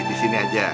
di sini aja